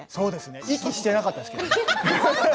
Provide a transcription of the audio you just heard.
息してなかったですよ。